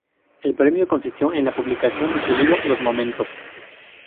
El premio consistió en la publicación de su libro "Los momentos".